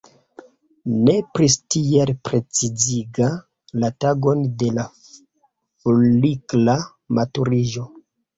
Nepris tiel precizigi la tagon de la folikla maturiĝo.